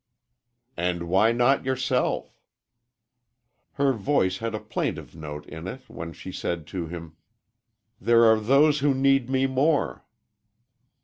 "And why not yourself?" Her voice had a plaintive note in it when she said to him, "There are those who need me more."